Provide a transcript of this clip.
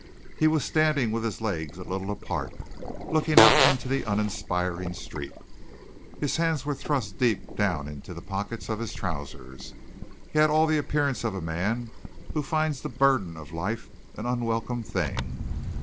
He was standing with his legs a little apart, looking out into the uninspiring street. His hands were thrust deep down into the pockets of his trousers. He had all the appearance of a man who finds the burden of life an unwelcome thing.